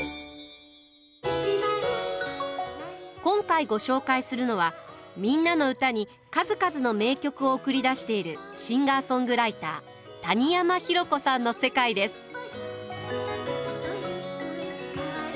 今回ご紹介するのは「みんなのうた」に数々の名曲を送り出しているシンガーソングライター「谷山浩子さんの世界」です。